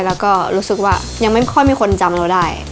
แล้วก็รู้สึกว่ายังไม่ค่อยมีคนจำเราได้